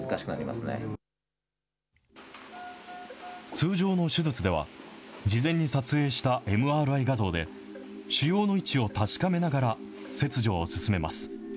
通常の手術では、事前に撮影したＭＲＩ画像で、腫瘍の位置を確かめながら切除を進めます。